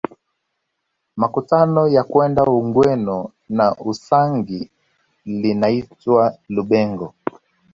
Makutano ya kwenda Ugweno na Usangi linaitwa Lubegho